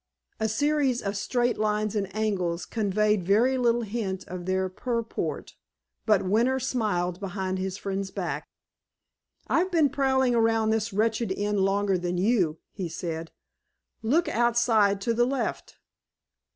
A series of straight lines and angles conveyed very little hint of their purport; but Winter smiled behind his friend's back. "I've been prowling about this wretched inn longer than you," he said. "Look outside, to the left."